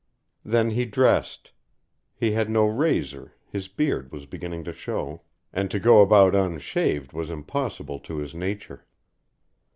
Then he dressed. He had no razor, his beard was beginning to show, and to go about unshaved was impossible to his nature.